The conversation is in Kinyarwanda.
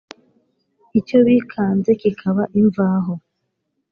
Icyo bikanze kikaba imvaho,